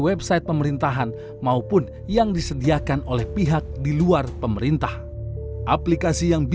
website pemerintahan maupun yang disediakan oleh pihak di luar pemerintah aplikasi yang